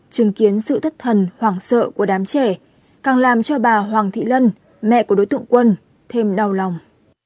chứng kiến sự thất thần hoảng sợ của đám trẻ càng làm cho bà hoàng thị lân mẹ của đối tượng quân thêm đau lòng